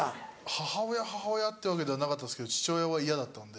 母親母親ってわけではなかったですけど父親は嫌だったので。